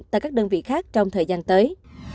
tại các đơn vị khác trong thời gian tới